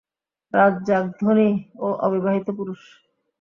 রাজ্জাক ধনী ও অবিবাহিত পুরুষ।